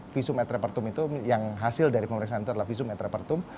visum et repertum itu yang hasil dari pemeriksaan itu adalah visum et repertum